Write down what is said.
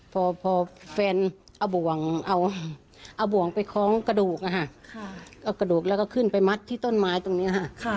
พอแฟนเอาบ่วงเอาบ่วงไปคล้องกระดูกเอากระดูกแล้วก็ขึ้นไปมัดที่ต้นไม้ตรงนี้ค่ะ